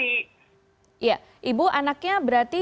iya ibu anaknya berarti